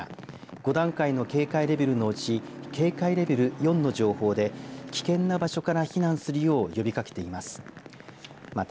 ５段階の警戒レベルのうち警戒レベル４の情報で危険な場所から避難するよう呼びかけています。